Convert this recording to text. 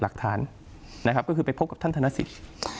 ก็คือไปพบกับท่านธนสิทธิ์